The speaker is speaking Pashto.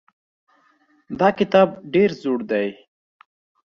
دا کتاب ډېر زوړ دی.